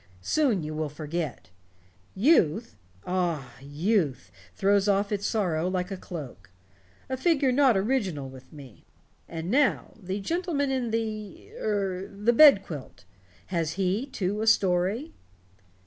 Soon you will forget. Youth ah, youth throws off its sorrow like a cloak. A figure not original with me. And now the gentleman in the er the bed quilt. Has he, too, a story?"